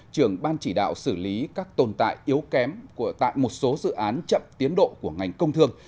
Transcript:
trưởng ban chỉ đạo xử lý các tồn tại yếu kém tại một số dự án chậm tiến độ của ngành công thương